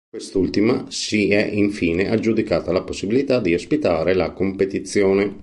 Quest'ultima si è infine aggiudicata la possibilità di ospitare la competizione.